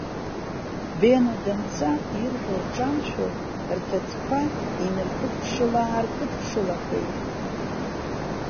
Бено данца, ирҳәо рҿамшәо, рҭыӡқәа инаркыдыԥшылаааркыдыԥшылақәеит.